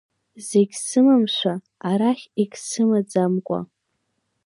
Зегь сымамшәа, арахь егьсымаӡамкәа…